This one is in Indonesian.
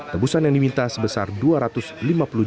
tebusan yang diminta sebesar dua rakyat